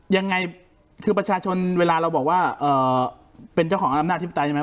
ยังไงคือประชาชนเวลาเราบอกว่าเป็นเจ้าของอำนาจธิปไตยใช่ไหม